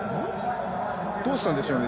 どうしたんでしょうね。